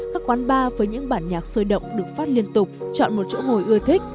các quán bar với những bản nhạc sôi động được phát liên tục chọn một chỗ ngồi ưa thích